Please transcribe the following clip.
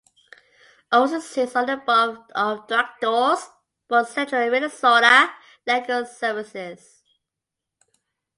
Olson sits on the board of directors for Central Minnesota Legal Services.